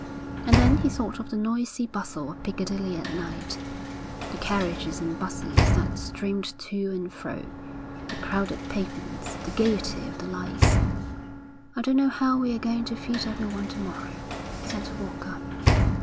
And then he thought of the noisy bustle of Piccadilly at night, the carriages and 'buses that streamed to and fro, the crowded pavements, the gaiety of the lights. 'I don't know how we're going to feed everyone to morrow,' said Walker.